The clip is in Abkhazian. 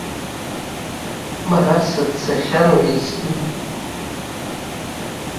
Мараса дцахьан уеизгьы.